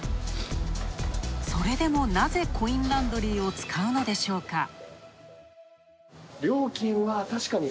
それでもナゼ、コインランドリーを使うのでしょうか？